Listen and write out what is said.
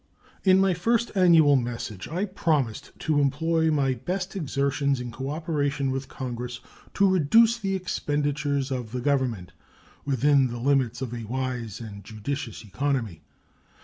In my first annual message I promised to employ my best exertions in cooperation with Congress to reduce the expenditures of the Government within the limits of a wise and judicious economy.